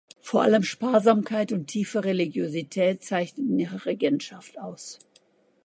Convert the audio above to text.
Vor allem Sparsamkeit und tiefe Religiosität zeichneten ihre Regentschaft aus.